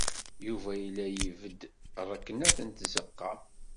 Yuba yella ybedd ṛeknet n tzeqqa.